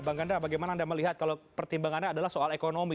bang ganda bagaimana anda melihat kalau pertimbangannya adalah soal ekonomi